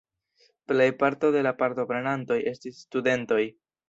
Plejparto de la partoprenantoj estis studentoj.